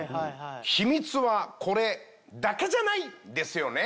秘密はこれだけじゃないんですよね？